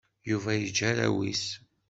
Yuba yeǧǧa arraw-is.